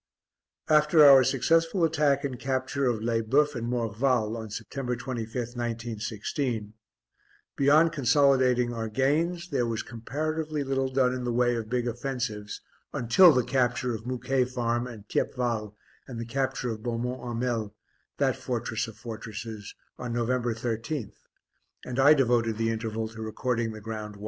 After our successful attack and capture of Lesboeufs and Morval on September 25th, 1916, beyond consolidating our gains there was comparatively little done in the way of big offensives until the capture of Mouquet Farm and Thiepval and the capture of Beaumont Hamel that fortress of fortresses on November 13th, and I devoted the interval to recording the ground won.